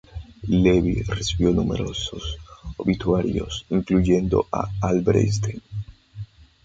Levi recibió numerosos obituarios, incluyendo a Albert Einstein.